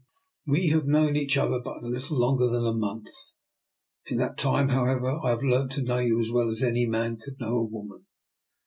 We have known each other but little longer than a month. In that time, however, I have learnt to know you as well as any man could know a woman.